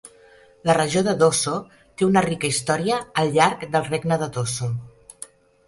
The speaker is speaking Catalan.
La regió de Dosso té una rica història al llarg del regne de Dosso.